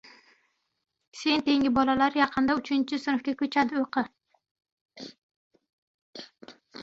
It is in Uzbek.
Sen tengi bolalar yaqinda uchinchi sinfga ko‘chadi, o‘qi!